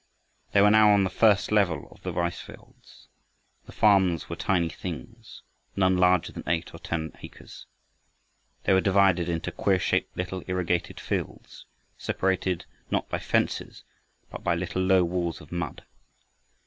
They were now on the first level of the rice fields. The farms were tiny things, none larger than eight or ten acres. They were divided into queer shaped little irrigated fields, separated not by fences, but by little low walls of mud.